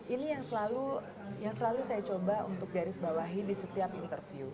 ini yang selalu saya coba untuk garis bawahi di setiap interview